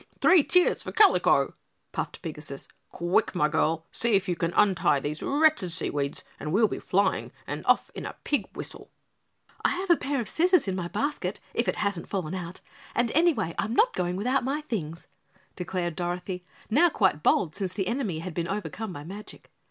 Three cheers for Kalico!" puffed Pigasus. "Quick, my girl, see if you can untie these wretched seaweeds and we'll be flying and be off in a pigwhistle." "I had a pair of scissors in my basket if it hasn't fallen out, and anyway I'm not going without my things," declared Dorothy, now quite bold since the enemy had been overcome by magic.